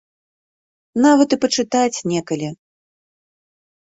Нават і пачытаць некалі.